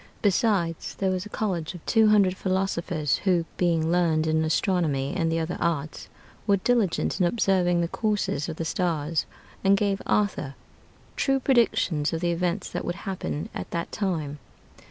Besides, there was a college of two hundred philosophers, who, being learned in astronomy and the other arts, were diligent in observing the courses of the stars, and gave Arthur true predictions of the events that would happen at that time.